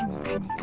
か